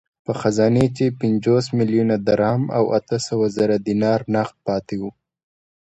په خزانه کې پنځوس میلیونه درم او اته سوه زره دیناره نغد پاته وو.